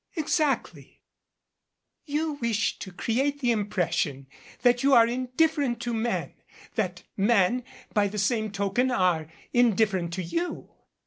"Exactly. You wish to create the impression that you are indifferent to men that men, by the same token, are indifferent to you."